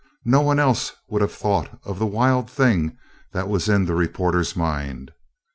No one else would have thought of the wild thing that was in the reporter's mind.